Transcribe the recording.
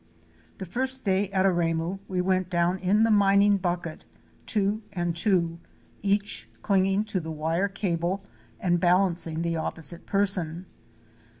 The first day at Aremu we went down in the mining bucket, two and two — each clinging to the wire cable and balancing the opposite person.